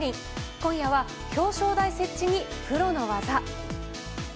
今夜は、表彰台設置にプロの技。